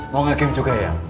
mau nge game juga ya